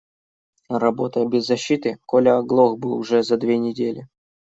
Работая без защиты, Коля оглох бы уже за две недели.